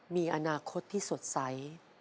มีอนาคตที่สดใส